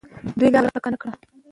دوی لاره ورکه نه کړه.